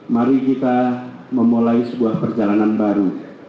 mari kita memulai sebuah perjalanan baru